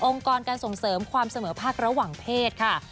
กรการส่งเสริมความเสมอภาคระหว่างเพศค่ะ